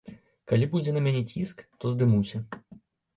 Калі будзе на мяне ціск, то здымуся.